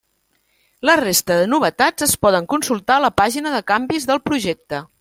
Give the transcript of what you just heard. La resta de novetats es poden consultar a la pàgina de canvis del projecte.